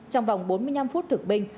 trong vòng bốn mươi năm phút thực binh